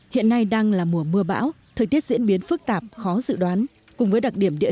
hiện nay đang là mùa mưa bão thời tiết diễn biến phức tạp khó dự đoán cùng với đặc điểm địa